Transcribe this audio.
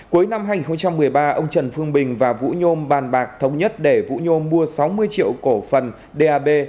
cuối năm hai nghìn một mươi ba ông trần phương bình và vũ nhôm bàn bạc thống nhất để vũ nhôm mua sáu mươi triệu cổ phần dap